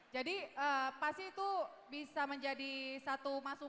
jadi pasti itu bisa menjadi satu masalah